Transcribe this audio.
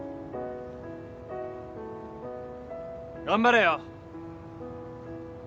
頑張れよ。